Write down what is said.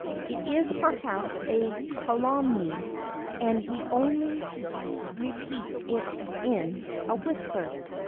It is, perhaps, a calumny, and we only repeat it in a whisper.